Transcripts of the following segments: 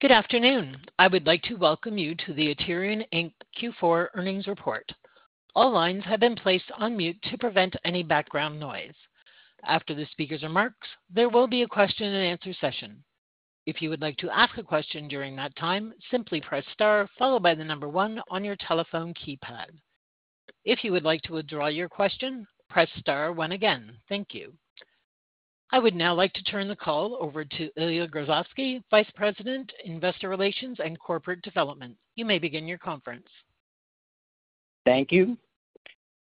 Good afternoon. I would like to welcome you to the Aterian Inc. Q4 earnings report. All lines have been placed on mute to prevent any background noise. After the speaker's remarks, there will be a question-and-answer session. If you would like to ask a question during that time, simply press star followed by the number 1 on your telephone keypad. If you would like to withdraw your question, press star when again. Thank you. I would now like to turn the call over to Ilya Grozovsky, Vice President, Investor Relations and Corporate Development. You may begin your conference. Thank you.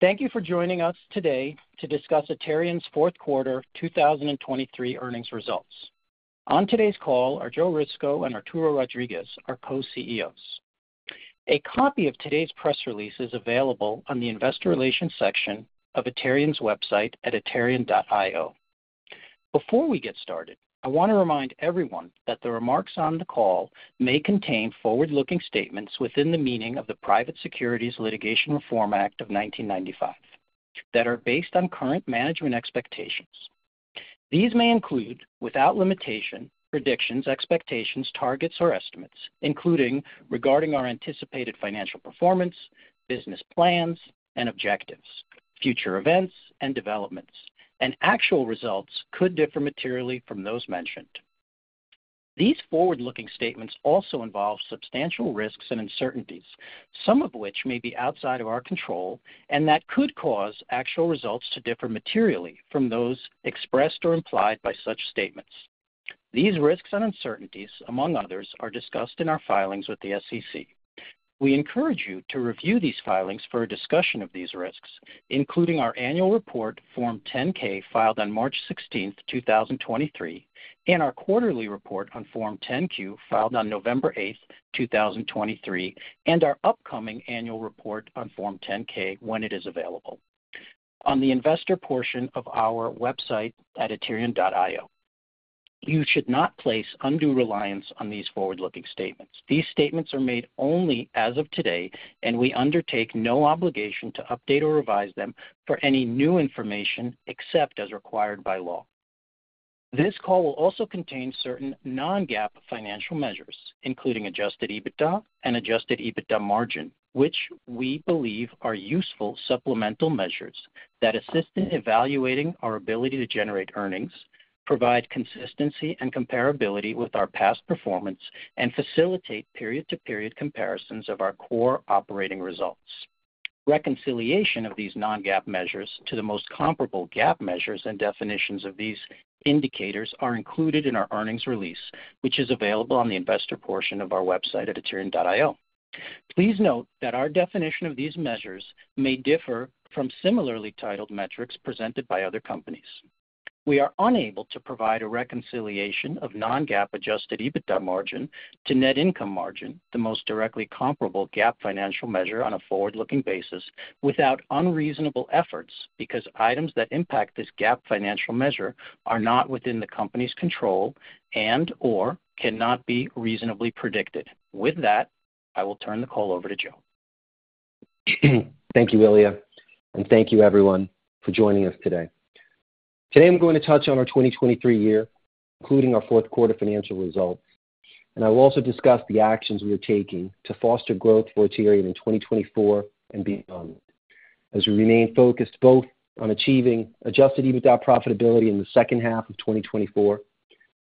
Thank you for joining us today to discuss Aterian's fourth quarter 2023 earnings results. On today's call are Joe Risico and Arturo Rodriguez, our co-CEOs. A copy of today's press release is available on the Investor Relations section of Aterian's website at aterian.io. Before we get started, I want to remind everyone that the remarks on the call may contain forward-looking statements within the meaning of the Private Securities Litigation Reform Act of 1995 that are based on current management expectations. These may include, without limitation, predictions, expectations, targets, or estimates, including regarding our anticipated financial performance, business plans and objectives, future events and developments, and actual results could differ materially from those mentioned. These forward-looking statements also involve substantial risks and uncertainties, some of which may be outside of our control and that could cause actual results to differ materially from those expressed or implied by such statements. These risks and uncertainties, among others, are discussed in our filings with the SEC. We encourage you to review these filings for a discussion of these risks, including our annual report Form 10-K filed on March 16, 2023, and our quarterly report on Form 10-Q filed on November 8, 2023, and our upcoming annual report on Form 10-K when it is available on the investor portion of our website at aterian.io. You should not place undue reliance on these forward-looking statements. These statements are made only as of today, and we undertake no obligation to update or revise them for any new information except as required by law. This call will also contain certain non-GAAP financial measures, including Adjusted EBITDA and Adjusted EBITDA margin, which we believe are useful supplemental measures that assist in evaluating our ability to generate earnings, provide consistency and comparability with our past performance, and facilitate period-to-period comparisons of our core operating results. Reconciliation of these non-GAAP measures to the most comparable GAAP measures and definitions of these indicators are included in our earnings release, which is available on the investor portion of our website at aterian.io. Please note that our definition of these measures may differ from similarly titled metrics presented by other companies. We are unable to provide a reconciliation of non-GAAP Adjusted EBITDA margin to net income margin, the most directly comparable GAAP financial measure on a forward-looking basis, without unreasonable efforts because items that impact this GAAP financial measure are not within the company's control and/or cannot be reasonably predicted. With that, I will turn the call over to Joe. Thank you, Ilya. Thank you, everyone, for joining us today. Today I'm going to touch on our 2023 year, including our fourth quarter financial results, and I will also discuss the actions we are taking to foster growth for Aterian in 2024 and beyond, as we remain focused both on achieving Adjusted EBITDA profitability in the second half of 2024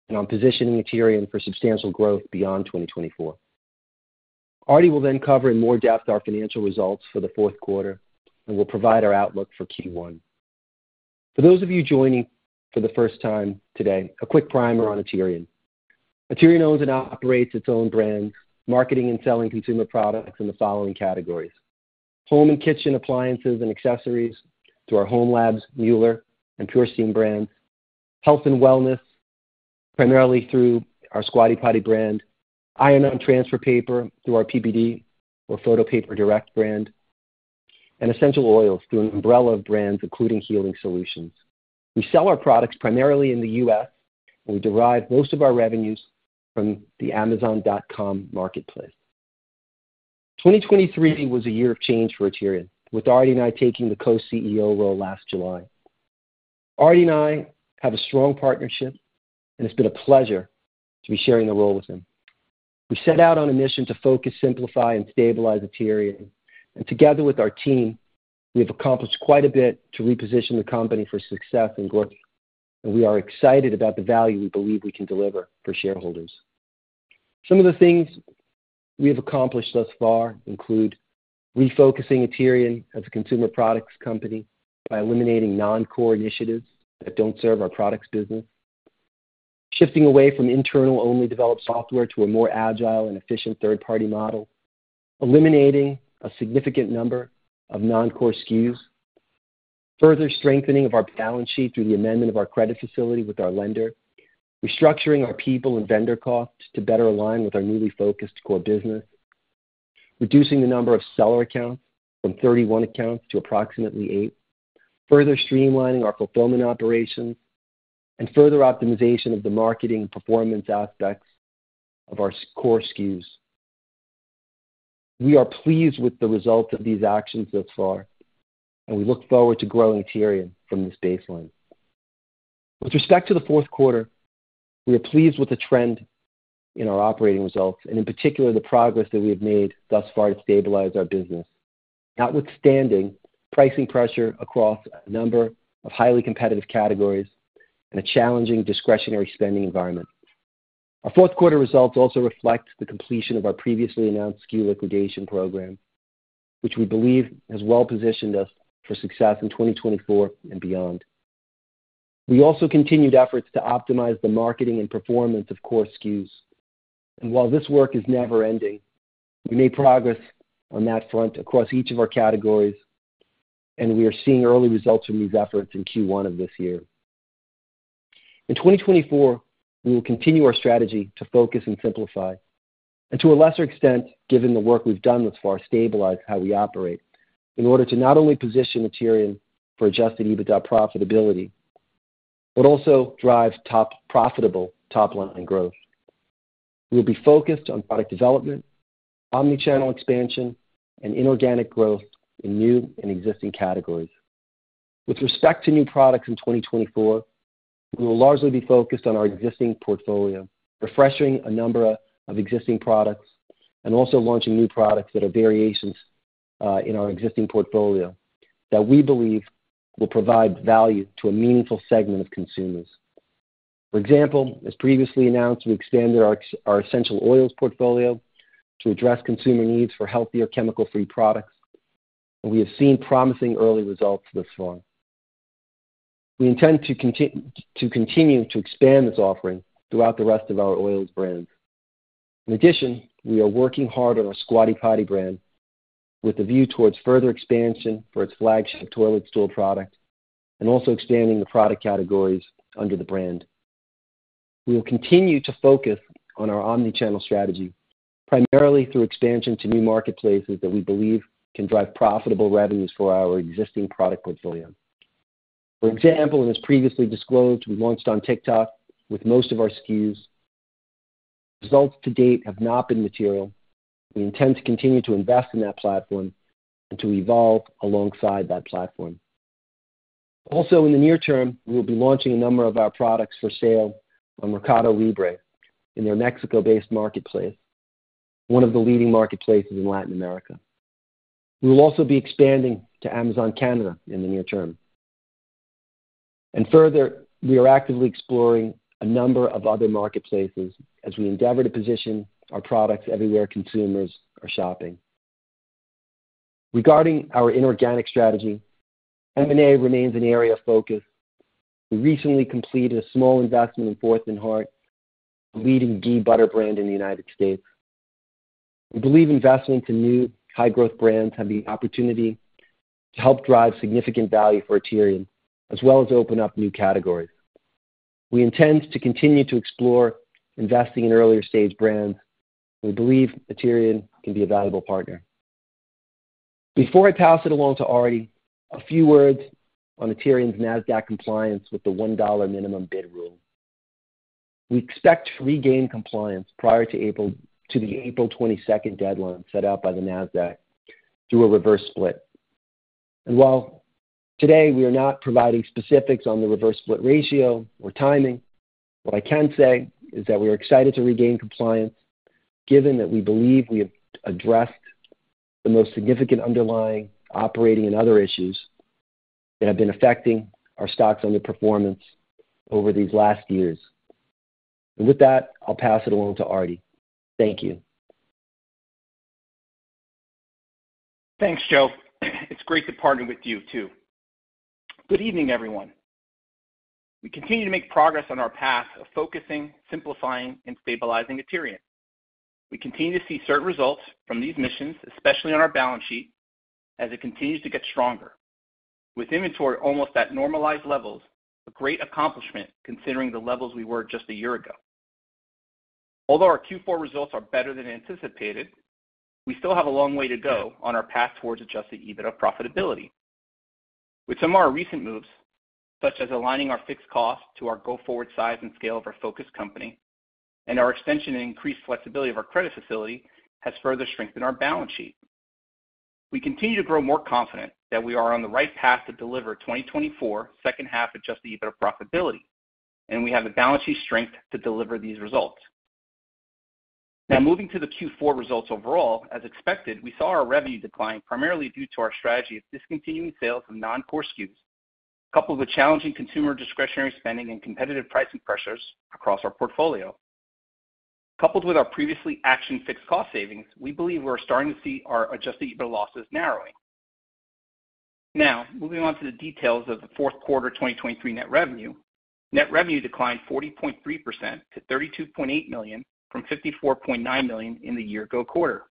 and on positioning Aterian for substantial growth beyond 2024. Arty will then cover in more depth our financial results for the fourth quarter and will provide our outlook for Q1. For those of you joining for the first time today, a quick primer on Aterian. Aterian owns and operates its own brands, marketing and selling consumer products in the following categories: home and kitchen appliances and accessories through our hOmeLabs, Mueller, and PurSteam brands. Health and wellness, primarily through our Squatty Potty brand. Iron-on transfer paper through our PPD or Photo Paper Direct brand. Essential oils through an umbrella of brands, including Healing Solutions. We sell our products primarily in the U.S., and we derive most of our revenues from the Amazon.com marketplace. 2023 was a year of change for Aterian, with Arty and I taking the co-CEO role last July. Arty and I have a strong partnership, and it's been a pleasure to be sharing the role with him. We set out on a mission to focus, simplify, and stabilize Aterian, and together with our team, we have accomplished quite a bit to reposition the company for success and growth, and we are excited about the value we believe we can deliver for shareholders. Some of the things we have accomplished thus far include refocusing Aterian as a consumer products company by eliminating non-core initiatives that don't serve our products business. Shifting away from internal-only developed software to a more agile and efficient third-party model. Eliminating a significant number of non-core SKUs. Further strengthening of our balance sheet through the amendment of our credit facility with our lender. Restructuring our people and vendor costs to better align with our newly focused core business. Reducing the number of seller accounts from 31 accounts to approximately 8. Further streamlining our fulfillment operations. And further optimization of the marketing and performance aspects of our core SKUs. We are pleased with the results of these actions thus far, and we look forward to growing Aterian from this baseline. With respect to the fourth quarter, we are pleased with the trend in our operating results and, in particular, the progress that we have made thus far to stabilize our business, notwithstanding pricing pressure across a number of highly competitive categories and a challenging discretionary spending environment. Our fourth quarter results also reflect the completion of our previously announced SKU liquidation program, which we believe has well positioned us for success in 2024 and beyond. We also continued efforts to optimize the marketing and performance of core SKUs. While this work is never-ending, we made progress on that front across each of our categories, and we are seeing early results from these efforts in Q1 of this year. In 2024, we will continue our strategy to focus and simplify and, to a lesser extent, given the work we've done thus far, stabilize how we operate in order to not only position Aterian for Adjusted EBITDA profitability but also drive profitable top-line growth. We will be focused on product development, omnichannel expansion, and inorganic growth in new and existing categories. With respect to new products in 2024, we will largely be focused on our existing portfolio, refreshing a number of existing products, and also launching new products that are variations in our existing portfolio that we believe will provide value to a meaningful segment of consumers. For example, as previously announced, we expanded our essential oils portfolio to address consumer needs for healthier, chemical-free products, and we have seen promising early results thus far. We intend to continue to expand this offering throughout the rest of our oils brands. In addition, we are working hard on our Squatty Potty brand with a view towards further expansion for its flagship toilet stool product and also expanding the product categories under the brand. We will continue to focus on our omnichannel strategy, primarily through expansion to new marketplaces that we believe can drive profitable revenues for our existing product portfolio. For example, and as previously disclosed, we launched on TikTok with most of our SKUs. Results to date have not been material. We intend to continue to invest in that platform and to evolve alongside that platform. Also, in the near term, we will be launching a number of our products for sale on Mercado Libre in their Mexico-based marketplace, one of the leading marketplaces in Latin America. We will also be expanding to Amazon Canada in the near term. Further, we are actively exploring a number of other marketplaces as we endeavor to position our products everywhere consumers are shopping. Regarding our inorganic strategy, M&A remains an area of focus. We recently completed a small investment in 4th & Heart, a leading ghee butter brand in the United States. We believe investment in new high-growth brands can be an opportunity to help drive significant value for Aterian as well as open up new categories. We intend to continue to explore investing in earlier-stage brands, and we believe Aterian can be a valuable partner. Before I pass it along to Arty, a few words on Aterian's Nasdaq compliance with the $1 minimum bid rule. We expect to regain compliance prior to the April 22nd deadline set out by the Nasdaq through a reverse split. While today we are not providing specifics on the reverse split ratio or timing, what I can say is that we are excited to regain compliance given that we believe we have addressed the most significant underlying operating and other issues that have been affecting our stock's underperformance over these last years. With that, I'll pass it along to Ily. Thank you. Thanks, Joe. It's great to partner with you too. Good evening, everyone. We continue to make progress on our path of focusing, simplifying, and stabilizing Aterian. We continue to see certain results from these missions, especially on our balance sheet, as it continues to get stronger, with inventory almost at normalized levels, a great accomplishment considering the levels we were just a year ago. Although our Q4 results are better than anticipated, we still have a long way to go on our path towards Adjusted EBITDA profitability. With some of our recent moves, such as aligning our fixed cost to our go-forward size and scale of our focused company and our extension and increased flexibility of our credit facility, has further strengthened our balance sheet. We continue to grow more confident that we are on the right path to deliver 2024 second half Adjusted EBITDA profitability, and we have the balance sheet strength to deliver these results. Now, moving to the Q4 results overall, as expected, we saw our revenue decline primarily due to our strategy of discontinuing sales of non-core SKUs, coupled with challenging consumer discretionary spending and competitive pricing pressures across our portfolio. Coupled with our previously announced fixed cost savings, we believe we are starting to see our Adjusted EBITDA losses narrowing. Now, moving on to the details of the fourth quarter 2023 net revenue, net revenue declined 40.3% to $32.8 million from $54.9 million in the year-ago quarter.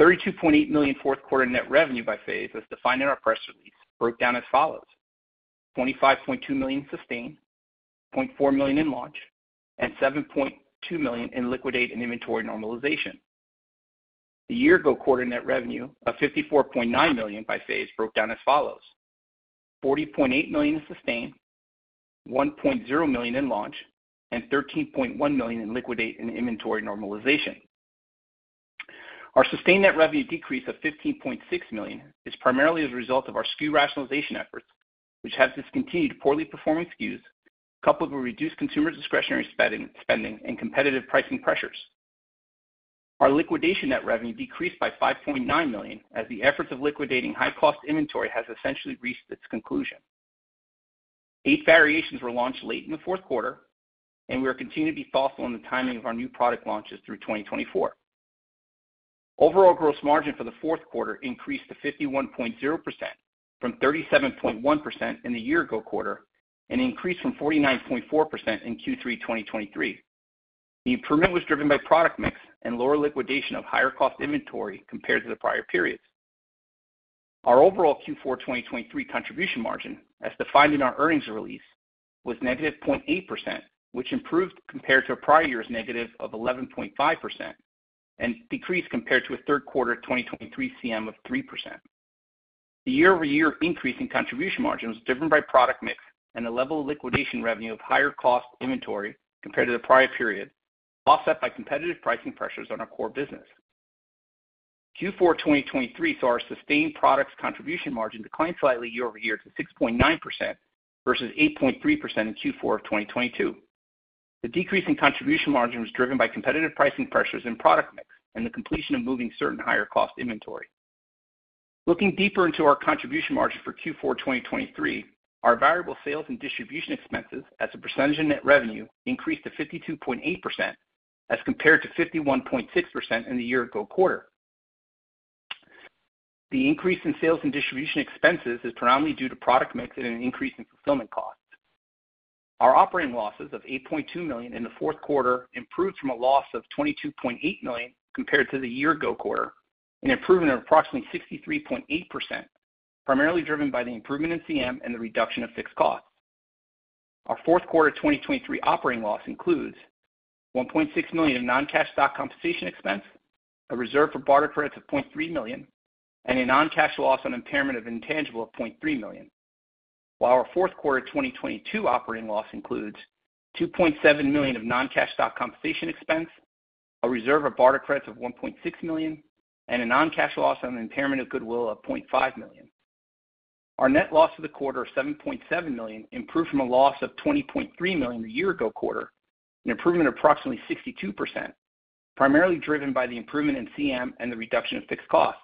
$32.8 million fourth quarter net revenue by phase, as defined in our press release, broke down as follows: $25.2 million sustain, $0.4 million in launch, and $7.2 million in liquidate and inventory normalization. The year-ago quarter net revenue of $54.9 million by phase broke down as follows: $40.8 million sustain, $1.0 million in launch, and $13.1 million in liquidate and inventory normalization. Our sustained net revenue decrease of $15.6 million is primarily as a result of our SKU rationalization efforts, which have discontinued poorly performing SKUs, coupled with reduced consumer discretionary spending and competitive pricing pressures. Our liquidation net revenue decreased by $5.9 million as the efforts of liquidating high-cost inventory have essentially reached its conclusion. 8 variations were launched late in the fourth quarter, and we are continuing to be thoughtful in the timing of our new product launches through 2024. Overall gross margin for the fourth quarter increased to 51.0% from 37.1% in the year-ago quarter and increased from 49.4% in Q3 2023. The improvement was driven by product mix and lower liquidation of higher-cost inventory compared to the prior periods. Our overall Q4 2023 contribution margin, as defined in our earnings release, was -0.8%, which improved compared to a prior year's -11.5% and decreased compared to a third quarter 2023 CM of 3%. The year-over-year increase in contribution margin was driven by product mix and the level of liquidation revenue of higher-cost inventory compared to the prior period, offset by competitive pricing pressures on our core business. Q4 2023 saw our sustained products contribution margin decline slightly year over year to 6.9% versus 8.3% in Q4 of 2022. The decrease in contribution margin was driven by competitive pricing pressures and product mix and the completion of moving certain higher-cost inventory. Looking deeper into our contribution margin for Q4 2023, our variable sales and distribution expenses, as a percentage of net revenue, increased to 52.8% as compared to 51.6% in the year-ago quarter. The increase in sales and distribution expenses is predominantly due to product mix and an increase in fulfillment costs. Our operating losses of $8.2 million in the fourth quarter improved from a loss of $22.8 million compared to the year-ago quarter, an improvement of approximately 63.8%, primarily driven by the improvement in CM and the reduction of fixed costs. Our fourth quarter 2023 operating loss includes $1.6 million of non-cash stock compensation expense, a reserve for barter credits of $0.3 million, and a non-cash loss on impairment of intangibles of $0.3 million, while our fourth quarter 2022 operating loss includes $2.7 million of non-cash stock compensation expense, a reserve of barter credits of $1.6 million, and a non-cash loss on impairment of goodwill of $0.5 million. Our net loss for the quarter of $7.7 million improved from a loss of $20.3 million the year-ago quarter, an improvement of approximately 62%, primarily driven by the improvement in CM and the reduction of fixed costs.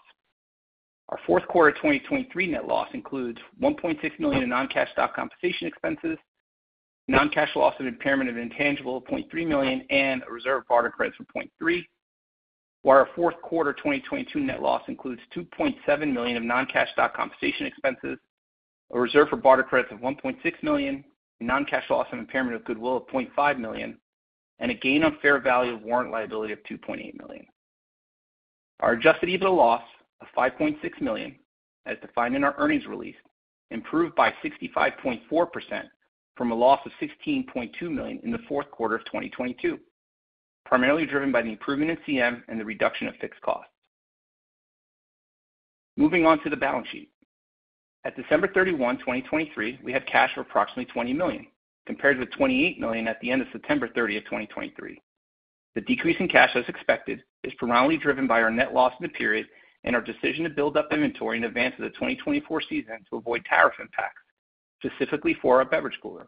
Our fourth quarter 2023 net loss includes $1.6 million of non-cash stock compensation expenses, a non-cash loss on impairment of intangibles of $0.3 million, and a reserve of barter credits of $0.3 million, while our fourth quarter 2022 net loss includes $2.7 million of non-cash stock compensation expenses, a reserve for barter credits of $1.6 million, a non-cash loss on impairment of goodwill of $0.5 million, and a gain on fair value of warrant liability of $2.8 million. Our adjusted EBITDA loss of $5.6 million, as defined in our earnings release, improved by 65.4% from a loss of $16.2 million in the fourth quarter of 2022, primarily driven by the improvement in CM and the reduction of fixed costs. Moving on to the balance sheet. At December 31, 2023, we had cash of approximately $20 million compared with $28 million at the end of September 30, 2023. The decrease in cash, as expected, is predominantly driven by our net loss in the period and our decision to build up inventory in advance of the 2024 season to avoid tariff impacts, specifically for our beverage cooler.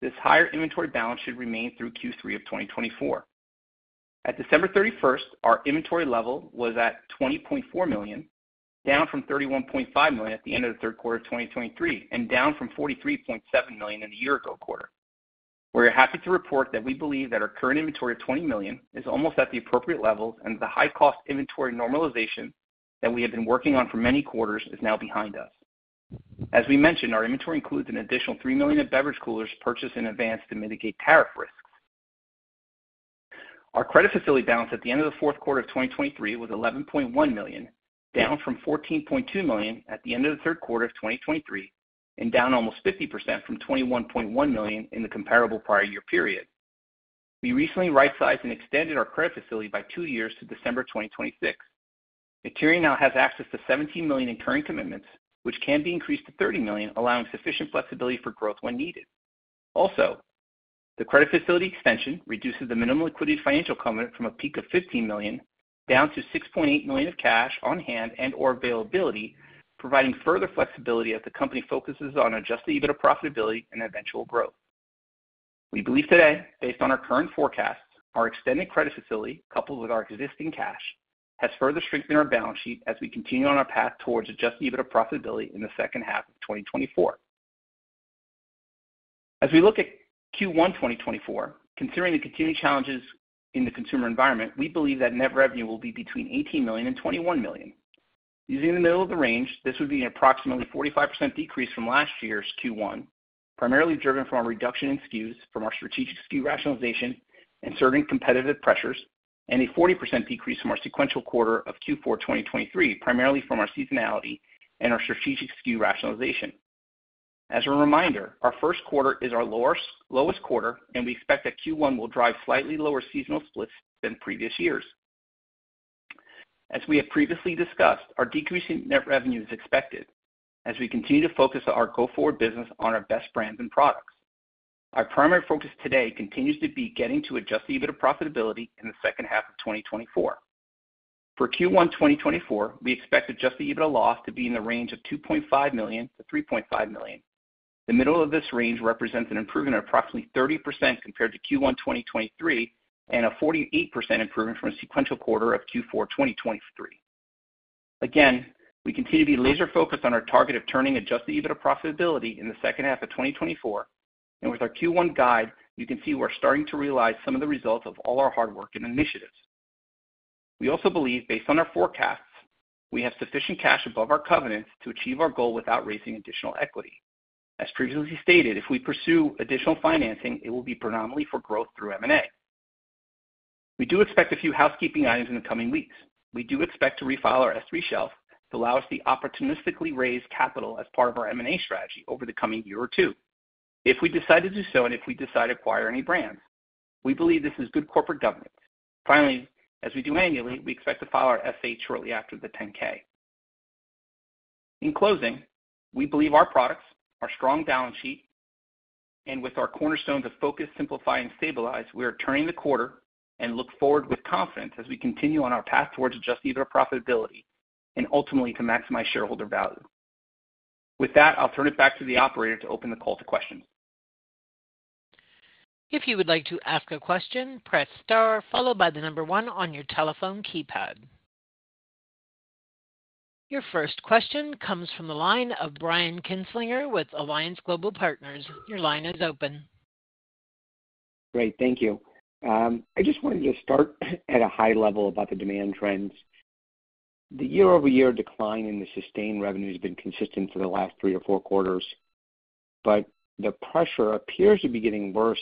This higher inventory balance should remain through Q3 of 2024. At December 31, our inventory level was at $20.4 million, down from $31.5 million at the end of the third quarter of 2023 and down from $43.7 million in the year-ago quarter. We are happy to report that we believe that our current inventory of 20 million is almost at the appropriate levels, and the high-cost inventory normalization that we have been working on for many quarters is now behind us. As we mentioned, our inventory includes an additional 3 million of beverage coolers purchased in advance to mitigate tariff risks. Our credit facility balance at the end of the fourth quarter of 2023 was $11.1 million, down from $14.2 million at the end of the third quarter of 2023 and down almost 50% from $21.1 million in the comparable prior year period. We recently right-sized and extended our credit facility by two years to December 2026. Aterian now has access to $17 million in current commitments, which can be increased to $30 million, allowing sufficient flexibility for growth when needed. Also, the credit facility extension reduces the minimum liquidated financial commitment from a peak of $15 million down to $6.8 million of cash on hand and/or availability, providing further flexibility as the company focuses on Adjusted EBITDA profitability and eventual growth. We believe today, based on our current forecasts, our extended credit facility, coupled with our existing cash, has further strengthened our balance sheet as we continue on our path towards Adjusted EBITDA profitability in the second half of 2024. As we look at Q1 2024, considering the continued challenges in the consumer environment, we believe that net revenue will be between $18 million and $21 million. Using the middle of the range, this would be an approximately 45% decrease from last year's Q1, primarily driven from a reduction in SKUs from our strategic SKU rationalization and certain competitive pressures, and a 40% decrease from our sequential quarter of Q4 2023, primarily from our seasonality and our strategic SKU rationalization. As a reminder, our first quarter is our lowest quarter, and we expect that Q1 will drive slightly lower seasonal splits than previous years. As we have previously discussed, our decrease in net revenue is expected as we continue to focus our go-forward business on our best brands and products. Our primary focus today continues to be getting to Adjusted EBITDA profitability in the second half of 2024. For Q1 2024, we expect Adjusted EBITDA loss to be in the range of $2.5 million-$3.5 million. The middle of this range represents an improvement of approximately 30% compared to Q1 2023 and a 48% improvement from a sequential quarter of Q4 2023. Again, we continue to be laser-focused on our target of turning Adjusted EBITDA profitability in the second half of 2024, and with our Q1 guide, you can see we are starting to realize some of the results of all our hard work and initiatives. We also believe, based on our forecasts, we have sufficient cash above our covenants to achieve our goal without raising additional equity. As previously stated, if we pursue additional financing, it will be predominantly for growth through M&A. We do expect a few housekeeping items in the coming weeks. We do expect to refile our S-3 shelf to allow us to opportunistically raise capital as part of our M&A strategy over the coming year or two, if we decide to do so and if we decide to acquire any brands. We believe this is good corporate governance. Finally, as we do annually, we expect to file our 10-Q shortly after the 10-K. In closing, we believe our products, our strong balance sheet, and with our cornerstones of focus, simplify, and stabilize, we are turning the corner and look forward with confidence as we continue on our path towards Adjusted EBITDA profitability and ultimately to maximize shareholder value. With that, I'll turn it back to the operator to open the call to questions. If you would like to ask a question, press star, followed by the number one on your telephone keypad. Your first question comes from the line of Brian Kinstlinger with Alliance Global Partners. Your line is open. Great. Thank you. I just wanted to start at a high level about the demand trends. The year-over-year decline in the sustained revenue has been consistent for the last three or four quarters, but the pressure appears to be getting worse,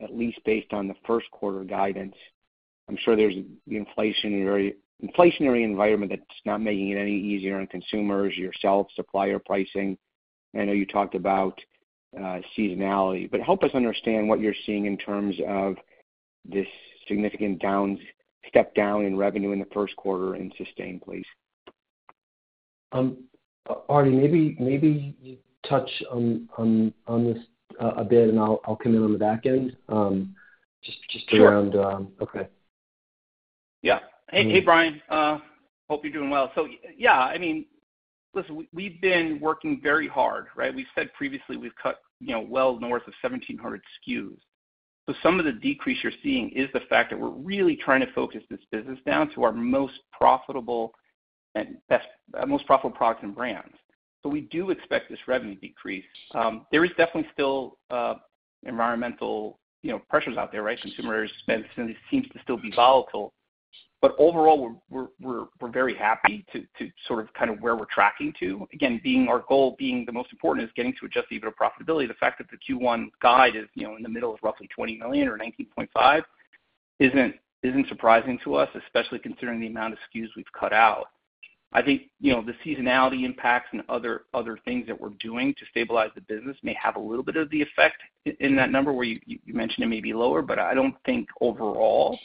at least based on the first quarter guidance. I'm sure there's the inflationary environment that's not making it any easier on consumers, yourself, supplier pricing. I know you talked about seasonality, but help us understand what you're seeing in terms of this significant step down in revenue in the first quarter in sustained, please. Arty, maybe you touch on this a bit, and I'll come in on the back end just around okay. Sure. Yeah. Hey, Brian. Hope you're doing well. Yeah, I listen, we've been working very hard. We've said previously we've cut well north of 1,700 SKUs. Some of the decrease you're seeing is the fact that we're really trying to focus this business down to our most profitable products and brands. We do expect this revenue decrease. There is definitely still environmental pressures out there, right? Consumer spend seems to still be volatile. But overall, we're very happy to where we're tracking to. Again, our goal being the most important is getting to Adjusted EBITDA profitability. The fact that the Q1 guide is in the middle of roughly $20 million or $19.5 million isn't surprising to us, especially considering the amount of SKUs we've cut out. I think the seasonality impacts and other things that we're doing to stabilize the business may have a little bit of the effect in that number where you mentioned it may be lower, but I don't think overall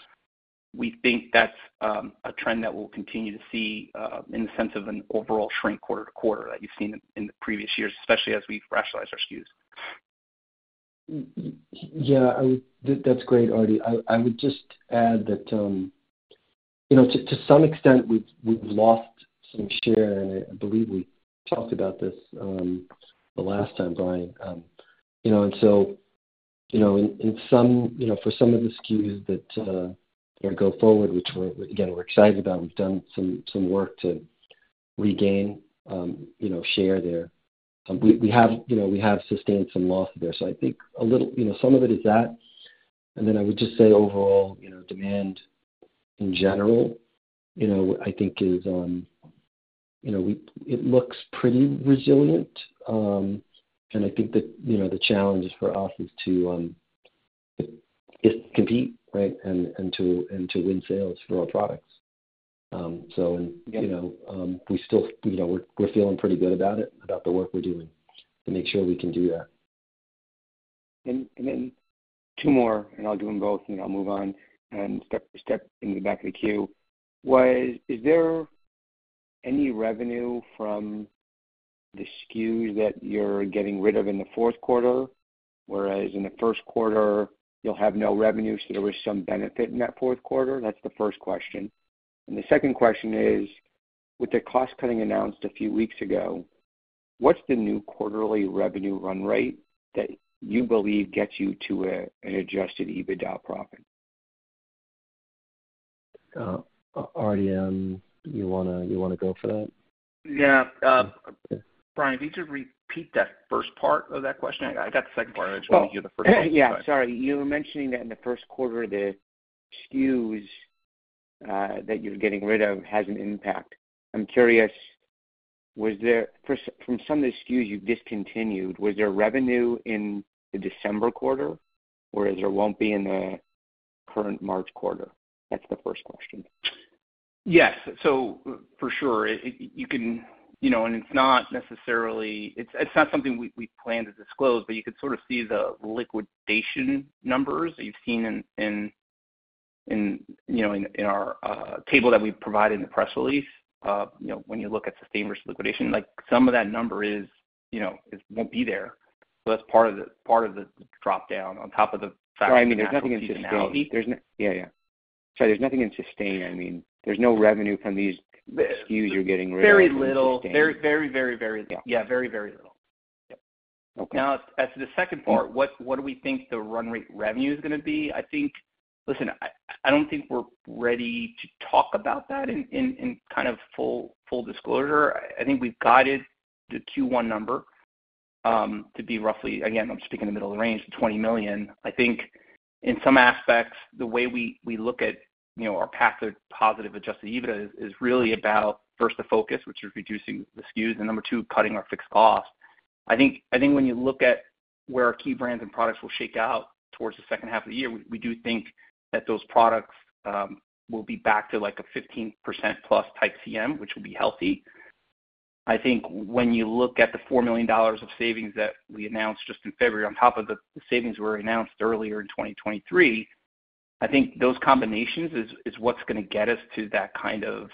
we think that's a trend that we'll continue to see in the sense of an overall shrink quarter-to-quarter that you've seen in the previous years, especially as we've rationalized our SKUs. Yeah, that's great, Artie. I would just add that to some extent, we've lost some share, and I believe we talked about this the last time, Brian. For some of the SKUs that go forward, which, again, we're excited about, we've done some work to regain share there. We have sustained some loss there. I think some of it is that. Then I would just say overall, demand in general, I think, it looks pretty resilient. I think that the challenge for us is to compete, right, and to win sales for our products. We're feeling pretty good about it, about the work we're doing to make sure we can do that. Then two more, and I'll do them both, and then I'll move on and step into the back of the queue. Is there any revenue from the SKUs that you're getting rid of in the fourth quarter, whereas in the first quarter, you'll have no revenue, so there was some benefit in that fourth quarter? That's the first question. The second question is, with the cost-cutting announced a few weeks ago, what's the new quarterly revenue run rate that you believe gets you to an Adjusted EBITDA profit? Arty, you want to go for that? Yeah. Brian, if you could repeat that first part of that question? I got the second part. I just wanted to hear the first part. Oh, yeah. Sorry. You were mentioning that in the first quarter, the SKUs that you're getting rid of has an impact. I'm curious, from some of the SKUs you've discontinued, was there revenue in the December quarter, or is there? Won't be in the current March quarter? That's the first question. Yes, so for sure. And it's not necessarily something we planned to disclose, but you could sort of see the liquidation numbers that you've seen in our table that we provided in the press release. When you look at sustained versus liquidation, some of that number won't be there. So that's part of the dropdown on top of the fact that there's no seasonality. Brian, I mean, there's nothing in sustained. Yeah, yeah. Sorry, there's nothing in sustained. I mean, there's no revenue from these SKUs you're getting rid of in sustained. Very little. Very, very, very little. Yeah, very, very little. Yep. Now, as to the second part, what do we think the run rate revenue is going to be? Listen, I don't think we're ready to talk about that in kind of full disclosure. I think we've guided the Q1 number to be roughly again, I'm speaking in the middle of the range, the $20 million. I think in some aspects, the way we look at our path to positive Adjusted EBITDA is really about, first, the focus, which is reducing the SKUs, and number two, cutting our fixed cost. I think when you look at where our key brands and products will shake out towards the second half of the year, we do think that those products will be back to a 15%-plus type CM, which will be healthy. I think when you look at the $4 million of savings that we announced just in February on top of the savings we announced earlier in 2023, I think those combinations is what's going to get us to that kind of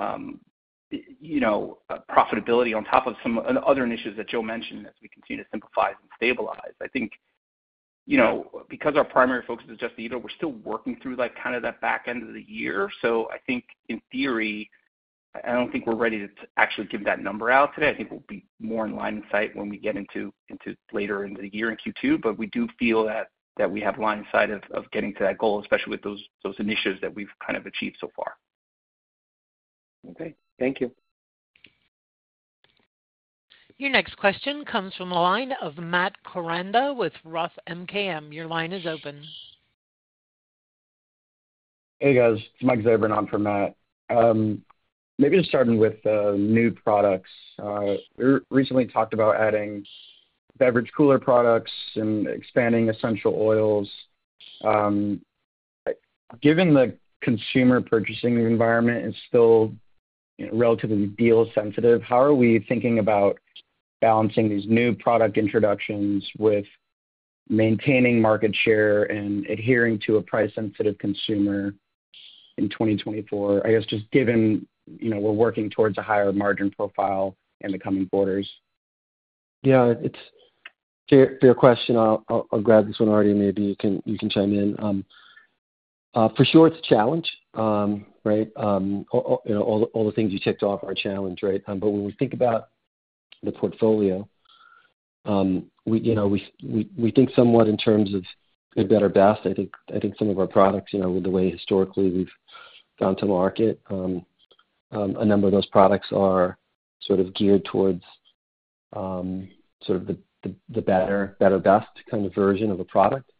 profitability on top of some other initiatives that Joe mentioned as we continue to simplify and stabilize. I think because our primary focus is Adjusted EBITDA, we're still working through kind of that back end of the year. So I think in theory, I don't think we're ready to actually give that number out today. I think we'll be more in line of sight when we get into later into the year in Q2, but we do feel that we have line of sight of getting to that goal, especially with those initiatives that we've kind of achieved so far. Okay. Thank you. Your next question comes from a line of Matt Koranda with Roth MKM. Your line is open. Hey, guys. It's Mike Zebran from Roth MKM. Maybe just starting with new products. We recently talked about adding beverage cooler products and expanding essential oils. Given the consumer purchasing environment is still relatively deal-sensitive, how are we thinking about balancing these new product introductions with maintaining market share and adhering to a price-sensitive consumer in 2024? I guess just given we're working towards a higher margin profile in the coming quarters. Yeah. For your question, I'll grab this one, Arturo. Maybe you can chime in. For sure, it's a challenge, right? All the things you ticked off are a challenge. When we think about the portfolio, we think somewhat in terms of good, better, best. I think some of our products, with the way historically we've gone to market, a number of those products are sort of geared towards sort of the better, best kind of version of a product.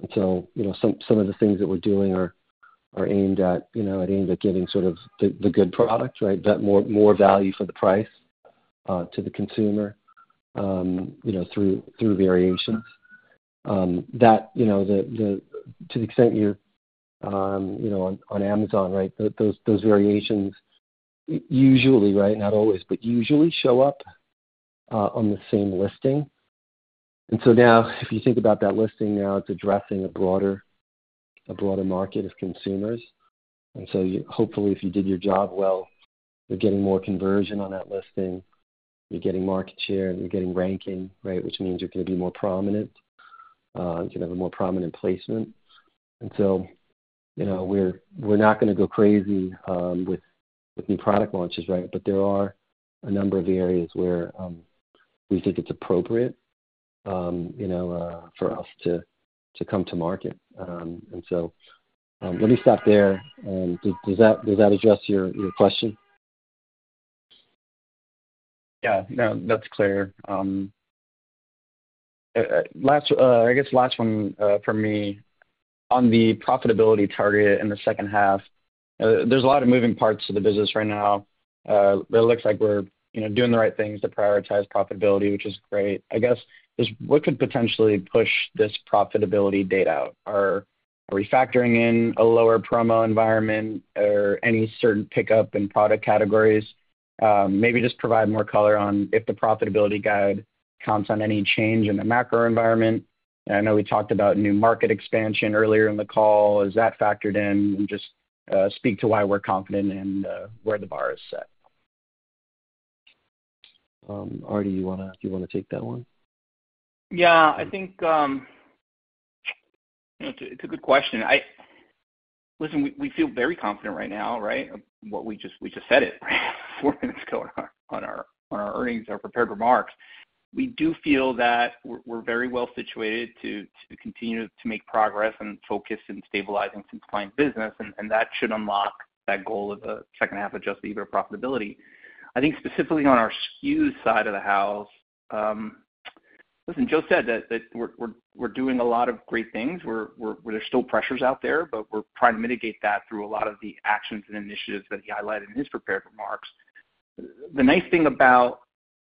And so some of the things that we're doing are aimed at getting sort of the good product, right, better value for the price to the consumer through variations. To the extent you're on Amazon, right, those variations usually, right, not always, but usually show up on the same listing. And so now, if you think about that listing, now it's addressing a broader market of consumers. And so hopefully, if you did your job well, you're getting more conversion on that listing. You're getting market share, and you're getting ranking, right, which means you're going to be more prominent. You're going to have a more prominent placement. And so we're not going to go crazy with new product launches, right? But there are a number of areas where we think it's appropriate for us to come to market. And so let me stop there. Does that address your question? Yeah. No, that's clear. I guess last one from me. On the profitability target in the second half, there's a lot of moving parts to the business right now. It looks like we're doing the right things to prioritize profitability, which is great. I guess what could potentially push this profitability date out? Are we factoring in a lower promo environment or any certain pickup in product categories? Maybe just provide more color on if the profitability guide counts on any change in the macro environment. I know we talked about new market expansion earlier in the call. Is that factored in? Just speak to why we're confident and where the bar is set. Arty, do you want to take that one? Yeah. I think it's a good question. Listen, we feel very confident right now, right, of what we just said it 4 minutes ago on our earnings, our prepared remarks. We do feel that we're very well situated to continue to make progress and focus in stabilizing some client business, and that should unlock that goal of the second half Adjusted EBITDA profitability. I think specifically on our SKU side of the house, listen, Joe said that we're doing a lot of great things. There's still pressures out there, but we're trying to mitigate that through a lot of the actions and initiatives that he highlighted in his prepared remarks. The nice thing about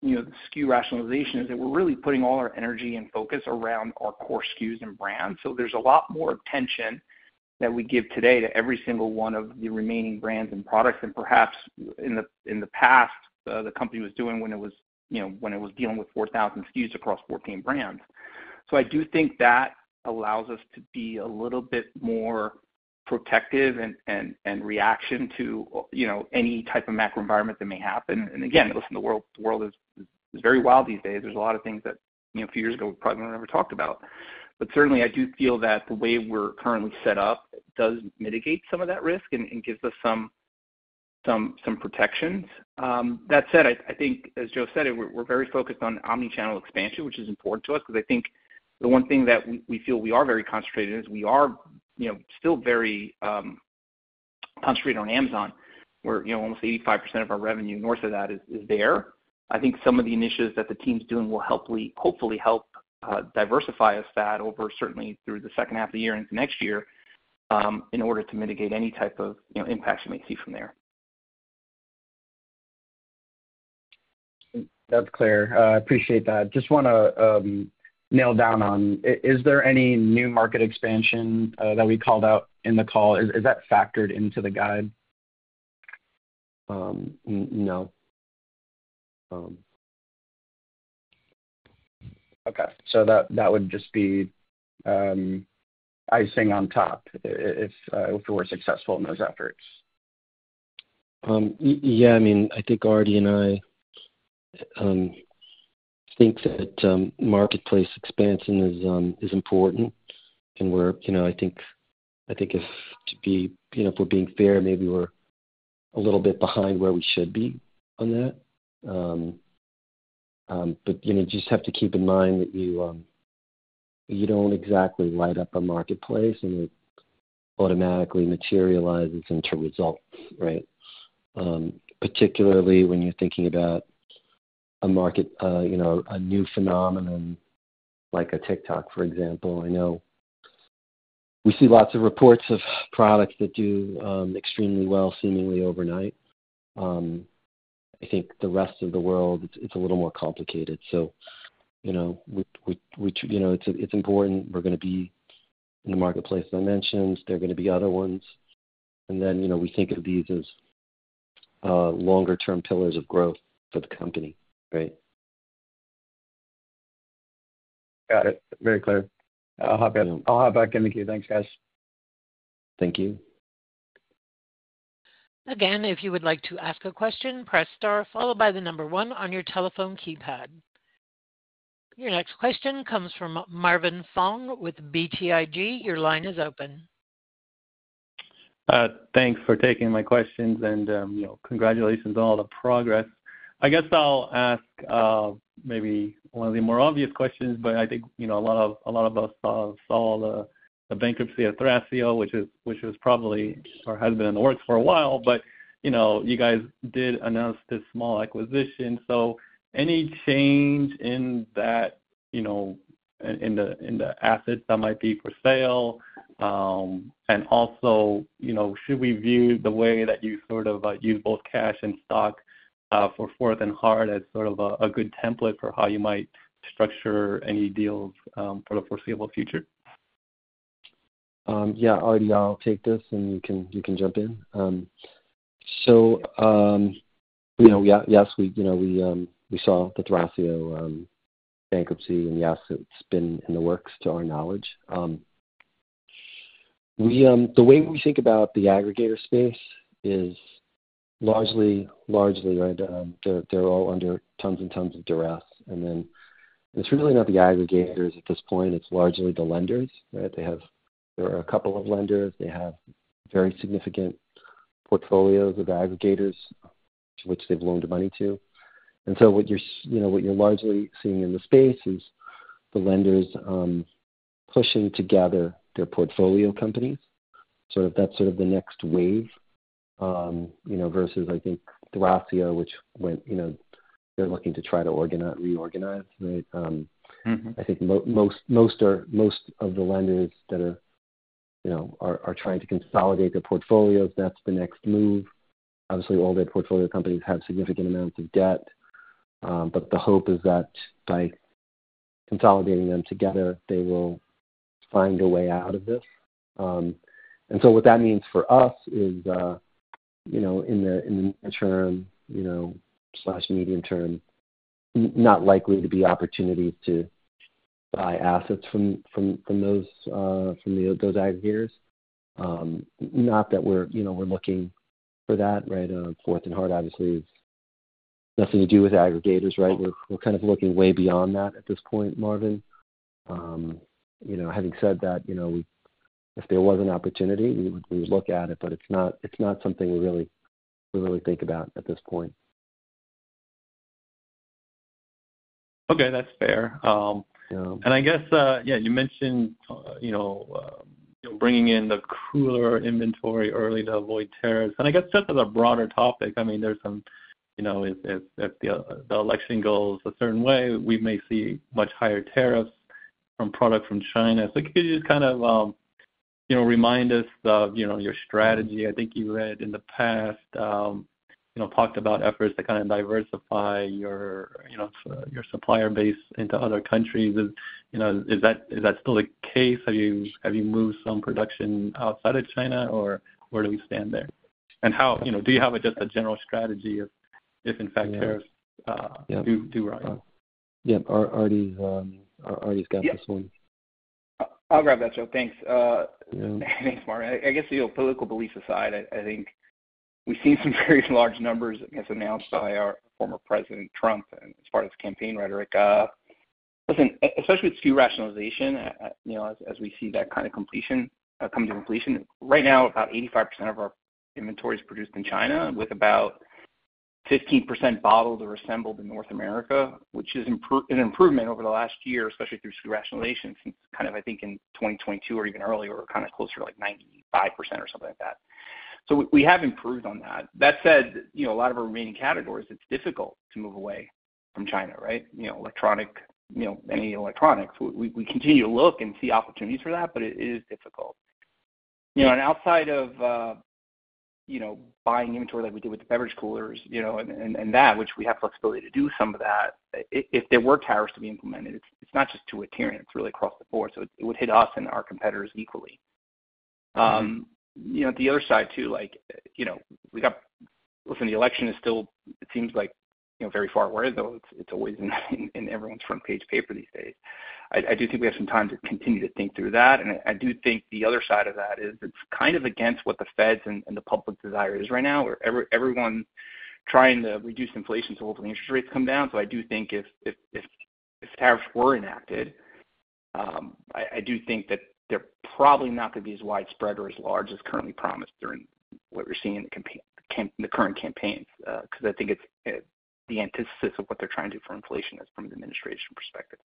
the SKU rationalization is that we're really putting all our energy and focus around our core SKUs and brands. So there's a lot more attention that we give today to every single one of the remaining brands and products than perhaps in the past the company was doing when it was dealing with 4,000 SKUs across 14 brands. So I do think that allows us to be a little bit more protective and reaction to any type of macro environment that may happen. And again, listen, the world is very wild these days. There's a lot of things that a few years ago, we probably wouldn't have ever talked about. But certainly, I do feel that the way we're currently set up does mitigate some of that risk and gives us some protections. That said, I think, as Joe said, we're very focused on omnichannel expansion, which is important to us because I think the one thing that we feel we are very concentrated on is we are still very concentrated on Amazon, where almost 85% of our revenue north of that is there. I think some of the initiatives that the team's doing will hopefully help diversify us that over certainly through the second half of the year into next year in order to mitigate any type of impacts you may see from there. That's clear. I appreciate that. Just want to nail down on, is there any new market expansion that we called out in the call? Is that factored into the guide? No. Okay. So that would just be icing on top if we're successful in those efforts. Yeah. I mean, I think Arty and I think that marketplace expansion is important. And I think if to be if we're being fair, maybe we're a little bit behind where we should be on that. But you just have to keep in mind that you don't exactly light up a marketplace, and it automatically materializes into results, right? Particularly when you're thinking about a new phenomenon like a TikTok, for example. We see lots of reports of products that do extremely well seemingly overnight. I think the rest of the world, it's a little more complicated. It's important. We're going to be in the marketplace that I mentioned. There are going to be other ones. And then we think of these as longer-term pillars of growth for the company. Got it. Very clear. I'll hop back in with you. Thanks, guys. Thank you. Again, if you would like to ask a question, press star followed by the number 1 on your telephone keypad. Your next question comes from Marvin Fong with BTIG. Your line is open. Thanks for taking my questions, and congratulations on all the progress. I guess I'll ask maybe one of the more obvious questions, but I think a lot of us saw the bankruptcy at Thrasio, which was probably or has been in the works for a while. But you guys did announce this small acquisition. So any change in the assets that might be for sale? And also, should we view the way that you sort of use both cash and stock for 4th & Heart as sort of a good template for how you might structure any deals for the foreseeable future? Yeah. Artie, I'll take this, and you can jump in. So yes, we saw the Thrasio bankruptcy, and yes, it's been in the works to our knowledge. The way we think about the aggregator space is largely, right, they're all under tons and tons of duress. And then it's really not the aggregators at this point. It's largely the lenders, right? There are a couple of lenders. They have very significant portfolios of aggregators to which they've loaned money to. And so what you're largely seeing in the space is the lenders pushing together their portfolio companies. That's sort of the next wave versus, I think, Thrasio, which they're looking to try to reorganize, right? I think most of the lenders that are trying to consolidate their portfolios, that's the next move. Obviously, all their portfolio companies have significant amounts of debt. But the hope is that by consolidating them together, they will find a way out of this. And so what that means for us is in the medium term, not likely to be opportunities to buy assets from those aggregators. Not that we're looking for that, right? 4th & Heart, obviously, has nothing to do with aggregators, right? We're kind of looking way beyond that at this point, Marvin. Having said that, if there was an opportunity, we would look at it, but it's not something we really think about at this point. Okay. That's fair. And I guess, yeah, you mentioned bringing in the cooler inventory early to avoid tariffs. And I guess just as a broader topic, I mean, there's some if the election goes a certain way, we may see much higher tariffs on products from China. So could you just kind of remind us of your strategy? I think you said in the past, talked about efforts to kind of diversify your supplier base into other countries. Is that still the case? Have you moved some production outside of China, or where do we stand there? And do you have just a general strategy if, in fact, tariffs do rise? Yep. Arty's got this one. I'll grab that, Joe. Thanks. Thanks, Marvin. I guess political beliefs aside, I think we've seen some very large numbers, I guess, announced by our former president, Trump, as far as campaign rhetoric. Listen, especially with SKU rationalization, as we see that kind of come to completion, right now, about 85% of our inventory is produced in China with about 15% bottled or assembled in North America, which is an improvement over the last year, especially through SKU rationalization since kind of, I think, in 2022 or even earlier, we're kind of closer to like 95% or something like that. So we have improved on that. That said, a lot of our remaining categories, it's difficult to move away from China, right? Any electronics. We continue to look and see opportunities for that, but it is difficult. Outside of buying inventory like we did with the beverage coolers and that, which we have flexibility to do some of that, if there were tariffs to be implemented, it's not just to Aterian. It's really across the board. It would hit us and our competitors equally. At the other side too, we've got to listen, the election is still, it seems like, very far away, though it's always in everyone's front-page paper these days. I do think we have some time to continue to think through that. I do think the other side of that is it's kind of against what the Fed's and the public's desire is right now. With everyone trying to reduce inflation so hopefully interest rates come down. I do think if tariffs were enacted, I do think that they're probably not going to be as widespread or as large as currently promised during what we're seeing in the current campaigns because I think the antithesis of what they're trying to do for inflation is, from an administration perspective.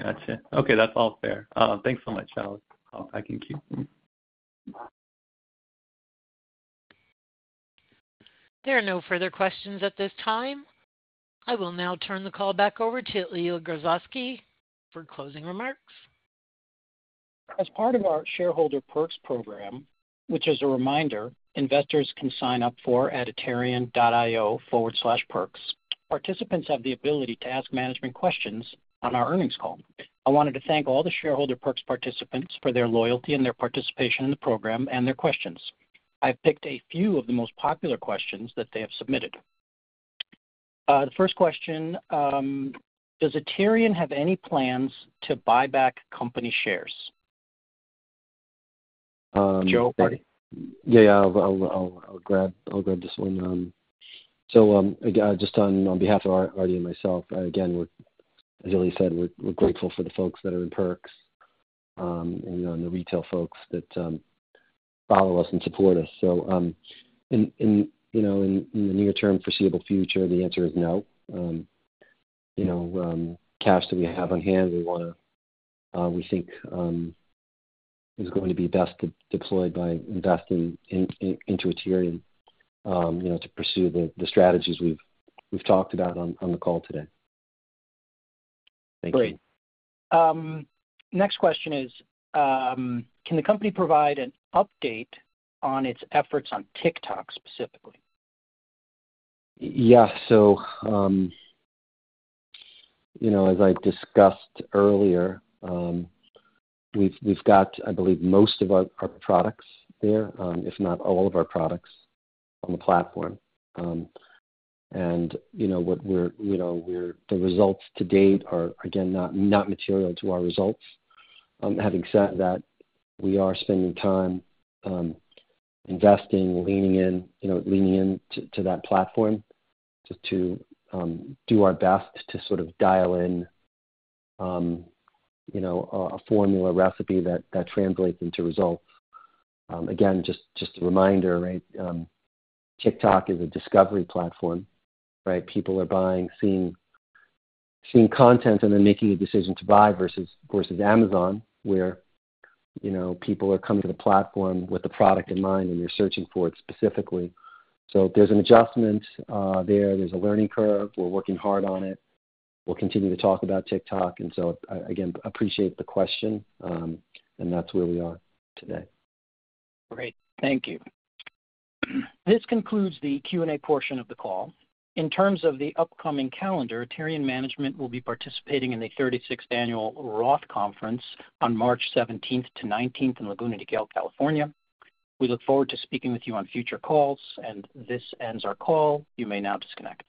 Gotcha. Okay. That's all fair. Thanks so much, Arty. I'll hop back back in ques. There are no further questions at this time. I will now turn the call back over to Ilya Grozovsky for closing remarks. As part of our shareholder perks program, which, as a reminder, investors can sign up for at aterian.io/perks, participants have the ability to ask management questions on our earnings call. I wanted to thank all the shareholder perks participants for their loyalty and their participation in the program and their questions. I've picked a few of the most popular questions that they have submitted. The first question, does Aterian have any plans to buy back company shares? Joe, Artie? Yeah, yeah. I'll grab this one. Just on behalf of Arty and myself, again, as Ilya said, we're grateful for the folks that are in perks and the retail folks that follow us and support us. So in the near-term, foreseeable future, the answer is no. Cash that we have on hand, we think, is going to be best deployed by investing into Aterian to pursue the strategies we've talked about on the call today. Thank you. Great. Next question is, can the company provide an update on its efforts on TikTok specifically? Yeah. So as I discussed earlier, we've got, I believe, most of our products there, if not all of our products on the platform. And what the results to date are, again, not material to our results. Having said that, we are spending time investing, leaning in to that platform just to do our best to sort of dial in a formula recipe that translates into results. Again, just a reminder, right? TikTok is a discovery platform, right? People are buying, seeing content, and then making a decision to buy versus Amazon, where people are coming to the platform with the product in mind, and they're searching for it specifically. So there's an adjustment there. There's a learning curve. We're working hard on it. We'll continue to talk about TikTok. And so, again, appreciate the question, and that's where we are today. Great. Thank you. This concludes the Q&A portion of the call. In terms of the upcoming calendar, Aterian management will be participating in the 36th annual Roth Conference on March 17th to 19th in Laguna Niguel, California. We look forward to speaking with you on future calls. This ends our call. You may now disconnect.